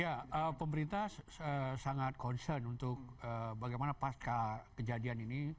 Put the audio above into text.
ya pemerintah sangat concern untuk bagaimana pasca kejadian ini